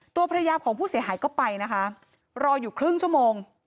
ตัวภรรยาของผู้เสียหายก็ไปนะคะรออยู่ครึ่งชั่วโมง